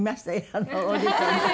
あのオーディションも。